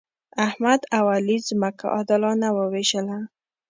احمد او علي ځمکه عادلانه وویشله.